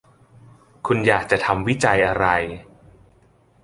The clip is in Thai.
คุณอยากจะทำวิจัยอะไร